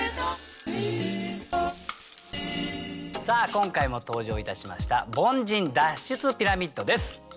さあ今回も登場いたしました凡人脱出ピラミッドです。